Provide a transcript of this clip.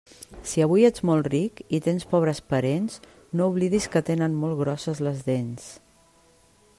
Si avui ets molt ric, i tens pobres parents, no oblidis que tenen molt grosses les dents.